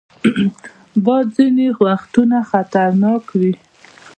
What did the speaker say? باد ځینې وختونه خطرناک وي